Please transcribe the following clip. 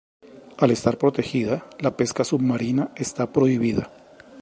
Al estar protegida la pesca submarina está prohibida.